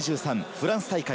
フランス大会。